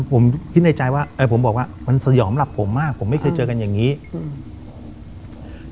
ผมคิดในใจว่าเอ้ยผมบอกว่ามันสยองหลับผมมากผมไม่เคยเจอกันอย่างงี้อืม